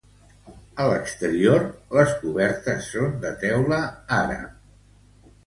A l'exterior, les cobertes són de teula àrab.